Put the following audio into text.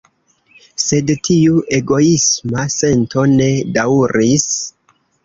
Sed tiu egoisma sento ne daŭris.